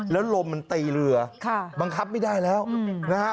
แล้วลมมันตีเรือบังคับไม่ได้แล้วนะฮะ